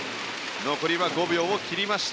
残りは５秒を切りました。